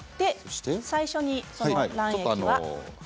最初に卵液は？